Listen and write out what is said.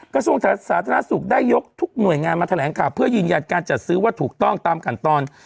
กระทรวงสาธารณสุขได้ยกทุกหน่วยงานมาแถลงข่าวเพื่อยืนยันการจัดซื้อว่าถูกต้องตามขั้นตอน